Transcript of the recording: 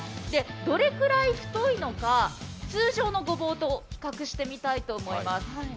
どれくらい太いのか、通常のごぼうと比較してみたいと思います。